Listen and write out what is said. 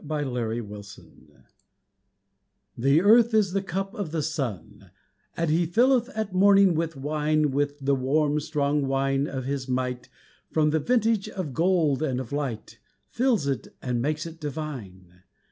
THE SUN CUP The earth is the cup of the sun, That he filleth at morning with wine, With the warm, strong wine of his might From the vintage of gold and of light, Fills it, and makes it divine.